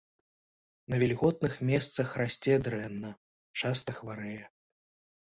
На вільготных месцах расце дрэнна, часта хварэе.